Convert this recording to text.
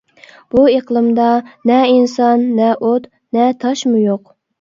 بۇ ئىقلىمدا نە ئىنسان، نە ئوت، نە تاشمۇ يوق.